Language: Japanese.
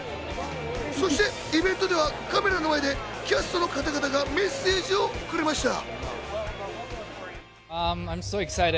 そしてイベントではカメラの前でキャストの方々がメッセージをくれました。